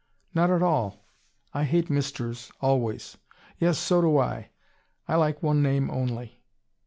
"Not at all. I hate Misters, always." "Yes, so do I. I like one name only."